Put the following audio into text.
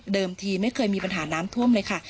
ทีไม่เคยมีปัญหาน้ำท่วมเลยค่ะ